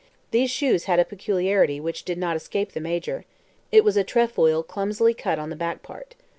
These shoes had a peculiarity which did not escape the Major; it was a trefoil clumsily cut on the back part.